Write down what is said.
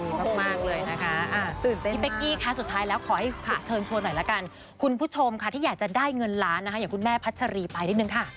มากเลยนะคะตื่นเต้นพี่เป๊กกี้คะสุดท้ายแล้วขอให้เชิญชวนหน่อยละกันคุณผู้ชมค่ะที่อยากจะได้เงินล้านนะคะอย่างคุณแม่พัชรีไปนิดนึงค่ะ